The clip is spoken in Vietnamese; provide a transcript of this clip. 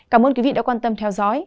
cảm ơn quý vị đã quan tâm theo dõi